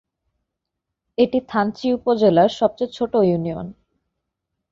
এটি থানচি উপজেলার সবচেয়ে ছোট ইউনিয়ন।